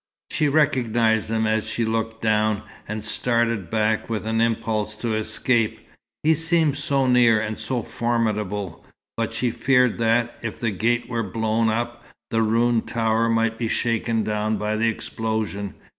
She recognized him as she looked down, and started back with an impulse to escape, he seemed so near and so formidable. But she feared that, if the gate were blown up, the ruined tower might be shaken down by the explosion.